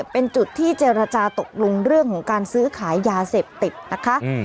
เป็นจุดที่เจรจาตกลงเรื่องของการซื้อขายยาเสพติดนะคะ